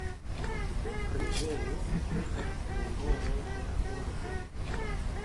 Tiu preĝejo estas simbolo de la urbo.